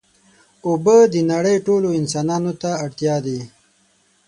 اوبه د نړۍ ټولو انسانانو ته اړتیا دي.